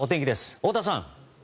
太田さん。